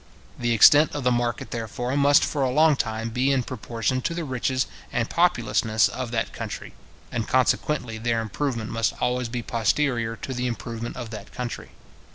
The extent of the market, therefore, must for a long time be in proportion to the riches and populousness of that country, and consequently their improvement must always be posterior to the improvement of that country.